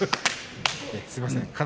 すみません。